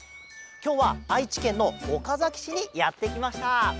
きょうはあいちけんのおかざきしにやってきました。